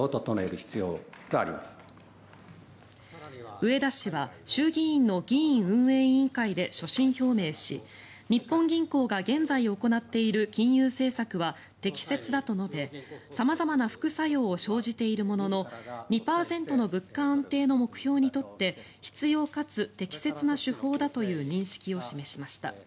植田氏は衆議院の議院運営委員会で所信表明し日本銀行が現在行っている金融政策は適切だと述べ様々な副作用を生じているものの２％の物価安定の目標にとって必要かつ適切な手法だという認識を示しました。